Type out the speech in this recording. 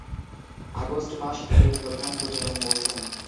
August মাস এদের প্রধান প্রজনন মৌসুম।